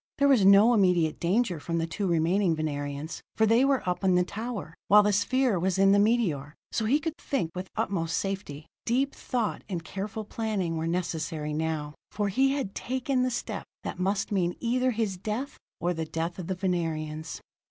There was no immediate danger from the two remaining Venerians, for they were up in the tower, while the sphere was in the meteor; so he could think with utmost safety. Deep thought and careful planning were necessary now, for he had taken the step that must mean either his death or the death of the Venerians.